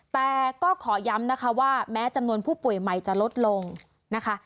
แต่ก็ขอย้ำนะคะว่าแม้จำนวนผู้ป่วยใหม่จะลดลงนะคะ